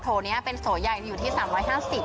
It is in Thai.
โนี้เป็นโถใหญ่อยู่ที่๓๕๐บาท